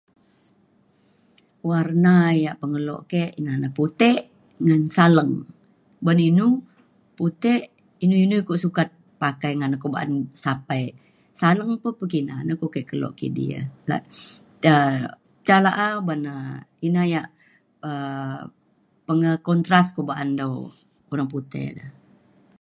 Warna ya pengelok ke inah na puti' ngan saleng uban inu puti' inu inu iko sukat pakai ngan ku sapai. Saleng pun pekina ina ke kelo kidi ya jah laah ban inah ya um peng contrast uban dau urang pute.